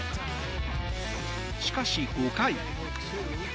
しかし、５回。